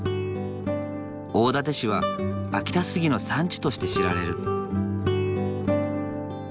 大館市は秋田杉の産地として知られる。